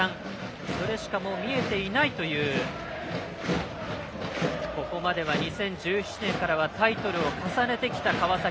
それしか見えていないというここまで２０１７年からタイトルを重ねてきた川崎。